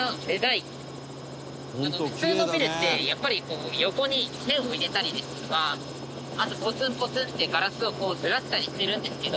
普通のビルってやっぱり横に線を入れたりですとかあとポツンポツンってガラスをずらしたりしてるんですけど。